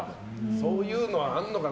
そういうのはあるのかな。